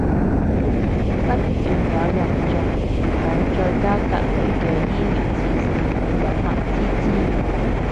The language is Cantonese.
不斷有人中，冇在家隔離嘅醫療指示，冇物資支援